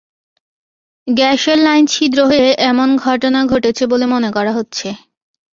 গ্যাসের লাইন ছিদ্র হয়ে এমন ঘটনা ঘটেছে বলে মনে করা হচ্ছে।